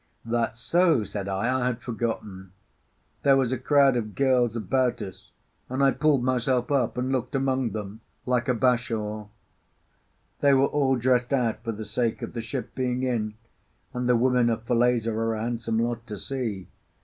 "That's so," said I; "I had forgotten." There was a crowd of girls about us, and I pulled myself up and looked among them like a Bashaw. They were all dressed out for the sake of the ship being in; and the women of Falesá are a handsome lot to see.